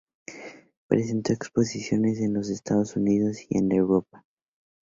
Presentó exposiciones en los Estados Unidos y en Europa.